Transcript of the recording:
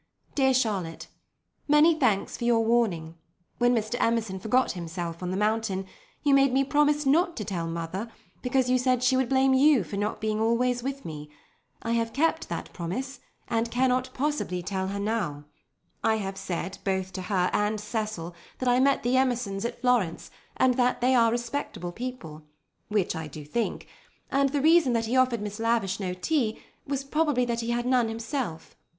"DEAR CHARLOTTE, "Many thanks for your warning. When Mr. Emerson forgot himself on the mountain, you made me promise not to tell mother, because you said she would blame you for not being always with me. I have kept that promise, and cannot possibly tell her now. I have said both to her and Cecil that I met the Emersons at Florence, and that they are respectable people—which I do think—and the reason that he offered Miss Lavish no tea was probably that he had none himself.